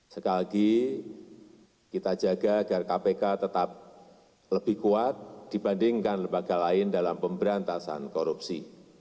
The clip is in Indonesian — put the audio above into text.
sekali lagi kita jaga agar kpk tetap lebih kuat dibandingkan lembaga lain dalam pemberantasan korupsi